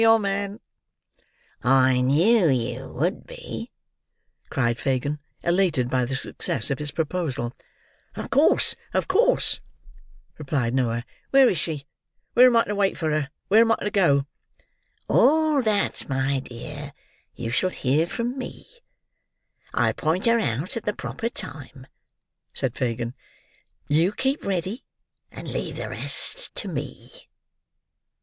I'm your man." "I knew you would be," cried Fagin, elated by the success of his proposal. "Of course, of course," replied Noah. "Where is she? Where am I to wait for her? Where am I to go?" "All that, my dear, you shall hear from me. I'll point her out at the proper time," said Fagin. "You keep ready, and leave the rest to me."